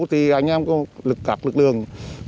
thì anh em có lực lượng